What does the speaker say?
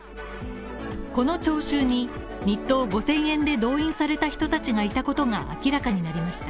この聴衆に日当５０００円動員された人たちがいたことが明らかになりました。